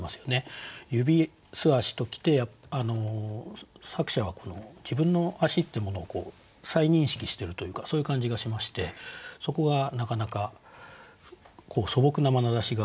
「指」「素足」と来て作者はこの自分の足というものを再認識してるというかそういう感じがしましてそこがなかなか素朴なまなざしが簡潔に詠まれてるなと思いました。